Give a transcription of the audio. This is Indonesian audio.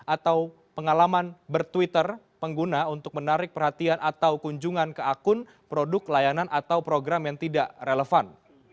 atau pengalaman bertwitter pengguna untuk menarik perhatian atau kunjungan ke akun produk layanan atau program yang tidak relevan